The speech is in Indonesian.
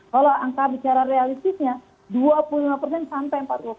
kalau angka bicara realistisnya dua puluh lima persen sampai empat puluh lima